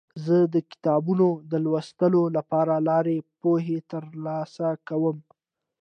زه د کتابونو د لوستلو له لارې پوهه ترلاسه کوم.